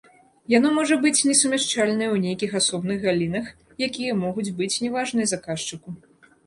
Яно можа быць несумяшчальнае ў нейкіх асобных галінах, якія могуць быць не важныя заказчыку.